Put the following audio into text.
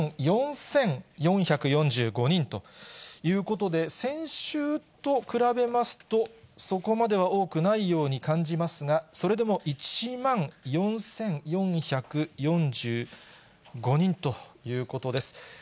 １万４４４５人ということで、先週と比べますと、そこまでは多くないように感じますが、それでも１万４４４５人ということです。